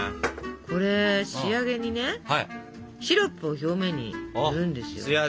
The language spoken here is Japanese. これ仕上げにねシロップを表面にぬるんですよ。